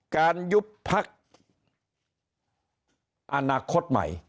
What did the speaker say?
ยุบพักอนาคตใหม่